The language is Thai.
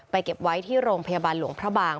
เก็บไว้ที่โรงพยาบาลหลวงพระบาง